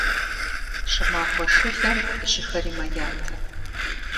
ЩӀымахуэ шылэм жьыхэри мэятэ.